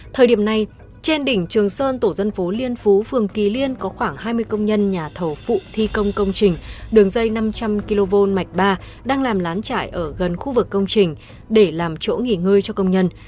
thời điểm này trên đỉnh trường sơn tổ dân phố liên phú phường kỳ liên có khoảng hai mươi công nhân nhà thầu phụ thi công công trình đường dây năm trăm linh kv mạch ba đang làm lán chạy ở gần khu vực công trình để làm chỗ nghỉ ngơi cho công nhân